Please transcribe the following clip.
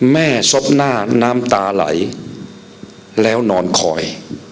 ศพหน้าน้ำตาไหลแล้วนอนคอย